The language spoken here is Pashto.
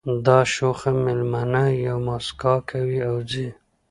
دا شوخه مېلمنه یوه مسکا کوي او ځي